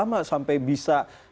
berapa lama sampai bisa